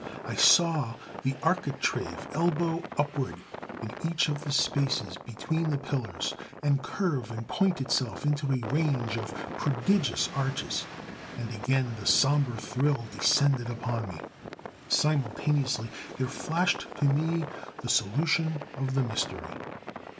I saw the architrave elbow upward in each of the spaces between the pillars, and curve and point itself into a range of prodigious arches; and again the sombre thrill descended upon me. Simultaneously there flashed to me the solution of the mystery.